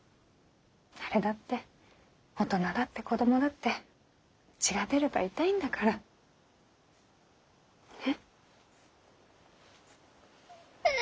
誰だって大人だって子供だって血が出れば痛いんだから。ね。